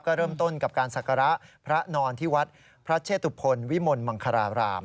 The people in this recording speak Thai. ก็เริ่มต้นกับการศักระพระนอนที่วัดพระเชตุพลวิมลมังคาราราม